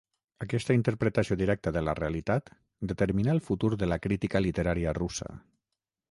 Aquesta interpretació directa de la realitat determinà el futur de la crítica literària russa.